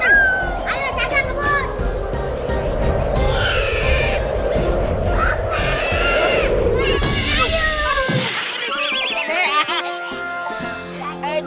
aduh jaga ngebut